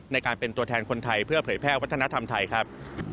ในการเป็นตัวแทนคนไทยเพื่อเผยแพร่วัฒนธรรมไทยครับ